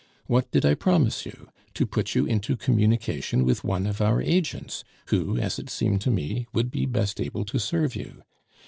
What did I promise you? To put you into communication with one of our agents, who, as it seemed to me, would be best able to serve you.